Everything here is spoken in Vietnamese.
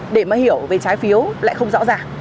để mà hiểu về trái phiếu lại không rõ ràng